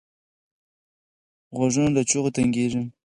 غوږونه له چغو تنګېږي